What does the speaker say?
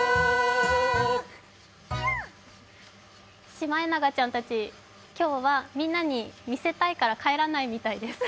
シマエナガちゃんたち、今日はみんなに見せたいから帰らないみたいです。